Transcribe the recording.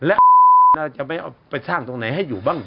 อ่ะอ่ะอ่ะแล้วจะไม่เอาไปช่างตรงไหนให้อยู่บ้าง